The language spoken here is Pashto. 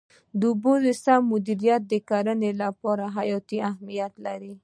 د اوبو سم مدیریت د کرنې لپاره حیاتي اهمیت لري.